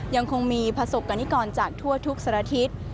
ยังคงมีประสบกรณิกรจากทั่วทุกสารทิศ